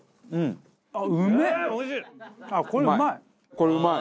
これうまい！